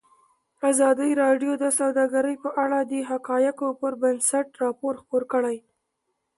ازادي راډیو د سوداګري په اړه د حقایقو پر بنسټ راپور خپور کړی.